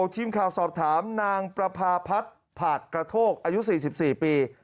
ทีมข่าวสอบถามนางประพาพัฒน์ผาดกระโทกอายุ๔๔ปี